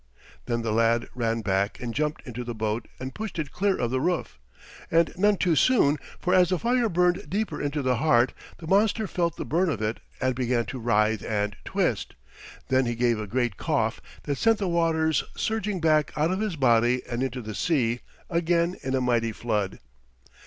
Then the lad ran back and jumped into the boat and pushed it clear of the roof. And none too soon, for as the fire burned deeper into the heart, the monster felt the burn of it and began to writhe and twist. Then he gave a great cough that sent the waters surging back out of his body and into the sea again in a mighty flood.